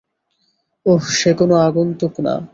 ওহ, সে কোন আগন্তুক না।